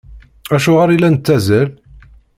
Acuɣer i la nettazzal?